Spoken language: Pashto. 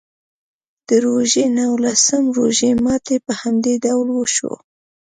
د روژې نولسم روژه ماتي په همدې ډول وشو.